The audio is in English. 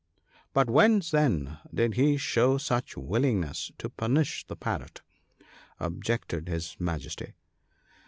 " But whence, then, did he show such willingness to punish the Parrot?" objected his Majesty.